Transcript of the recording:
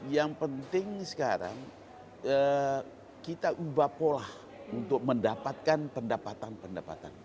yang penting sekarang kita ubah pola untuk mendapatkan pendapatan pendapatan